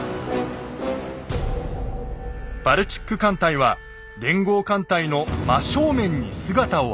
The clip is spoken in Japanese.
バルチック艦隊は連合艦隊の真正面に姿を現します。